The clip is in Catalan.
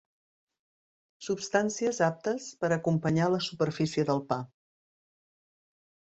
Substàncies aptes per acompanyar la superfície del pa.